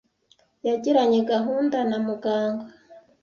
Yagiranye gahunda na muganga.